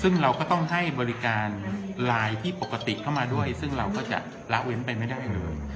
ซึ่งเราก็ต้องให้บริการไลน์ที่ปกติเข้ามาด้วยซึ่งเราก็จะละเว้นไปไม่ได้เลย